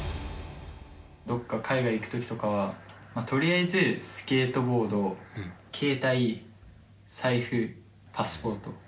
どっか海外行くときとかは、とりあえずスケートボード、携帯、財布、パスポート。